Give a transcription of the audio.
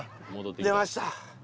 出ました。